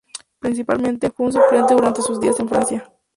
Principalmente, fue un suplente durante sus días en Francia.